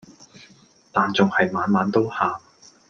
但仲係晚晚都喊